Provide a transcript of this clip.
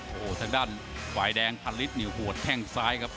โอ้โหทางด้านฝ่ายแดงพันธุ์ลิตรหัวแท่งซ้ายครับ